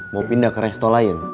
mau pindah ke resto lain